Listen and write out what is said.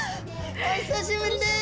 お久しぶりです。